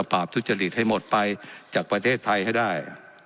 บททุจริตให้หมดไปจากประเทศไทยให้ได้